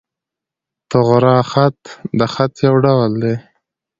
طغرا خط، د خط یو ډول دﺉ.